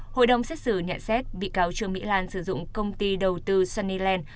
hội đồng xét xử nhận xét bị cáo trương mỹ lan sử dụng công ty đầu tư sunnyland